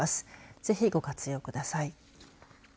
ぜひご活用ください。